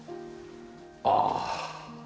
ああ！